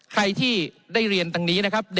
ใครที่ได้เรียนดังนี้นะครับ